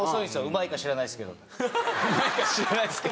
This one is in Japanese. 「うまいか知らないですけど」。